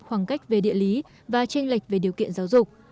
khoảng cách về địa lý và tranh lệch về điều kiện giáo dục